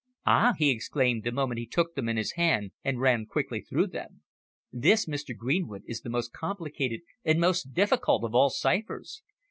"Ah!" he exclaimed the moment he took them in his hand and ran quickly through them. "This, Mr. Greenwood, is the most complicated and most difficult of all ciphers.